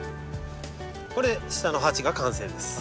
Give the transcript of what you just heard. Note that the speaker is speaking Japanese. これで下の鉢が完成です。